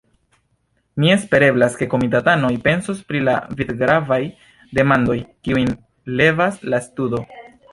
Mi espereblas, ke komitatanoj pensos pri la vivgravaj demandoj, kiujn levas la studo!